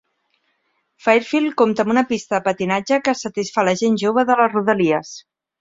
Fairfield compta amb una pista de patinatge que satisfà la gent jove de les rodalies.